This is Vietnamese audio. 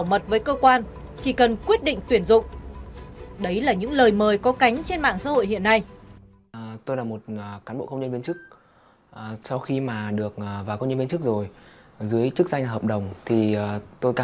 mua xây nhà sửa nhà xây nhà